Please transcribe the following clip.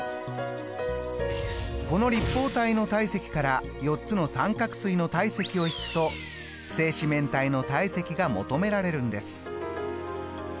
この立方体の体積から４つの三角錐の体積を引くと正四面体の体積が求められるんです。